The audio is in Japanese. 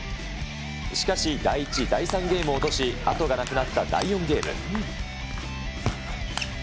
しかし、第１、第３ゲームを落とし、後がなくなった第４ゲーム。